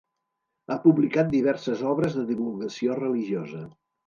Ha publicat diverses obres de divulgació religiosa.